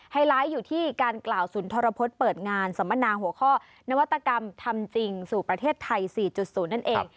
ไลท์อยู่ที่การกล่าวศูนย์ทรพฤษเปิดงานสัมมนาหัวข้อนวัตกรรมทำจริงสู่ประเทศไทย๔๐นั่นเอง